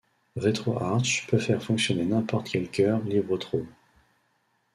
RetroArch peut faire fonctionner n'importe quel cœur libretro.